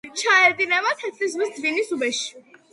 ჩაედინება თეთრი ზღვის დვინის უბეში.